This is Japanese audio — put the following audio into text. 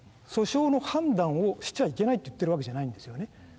訴訟の判断をしちゃいけないって言ってるわけじゃないんですよね。